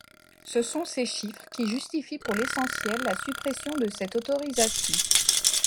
Ce sont ces chiffres qui justifient pour l’essentiel la suppression de cette autorisation.